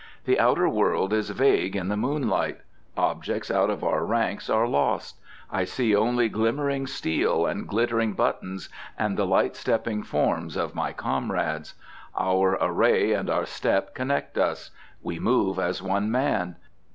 The outer world is vague in the moonlight. Objects out of our ranks are lost. I see only glimmering steel and glittering buttons and the light stepping forms of my comrades. Our array and our step connect us. We move as one man.